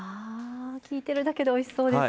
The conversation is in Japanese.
聞いてるだけでおいしそうです。